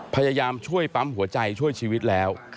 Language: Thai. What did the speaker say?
พยายามช่วยปั๊มหัวใจช่วยชีวิตแล้ว